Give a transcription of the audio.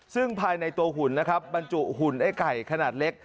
ซึ่งภายในตัวหุ่นนะครับบรรจุหุ่นไอ้ไก่ขนาดเล็ก